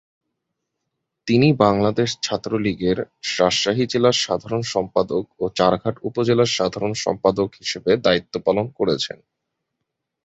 তিনি বাংলাদেশ ছাত্রলীগের রাজশাহী জেলার সাধারণ সম্পাদক ও চারঘাট উপজেলার সাধারণ সম্পাদক হিসেবে দায়িত্ব পালন করেছেন।